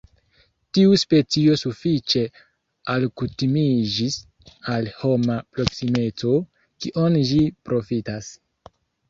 Tiu specio sufiĉe alkutimiĝis al homa proksimeco, kion ĝi profitas.